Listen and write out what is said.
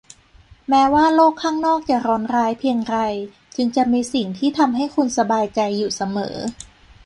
แม้ว่าโลกข้างนอกจะร้อนร้ายเพียงไรจึงจะมีสิ่งที่ทำให้คุณสบายใจอยู่เสมอ